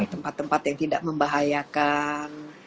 tempat tempat yang tidak membahayakan